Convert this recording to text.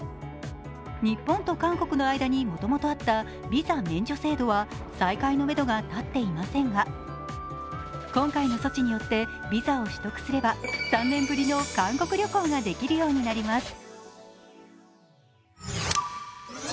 日本と韓国の間にもともとあったビザ免除制度は再開のメドが立っていませんが、今回の措置によってビザを取得すれば３年ぶりの韓国旅行ができるようになります。